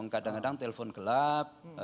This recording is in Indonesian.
kadang kadang telpon gelap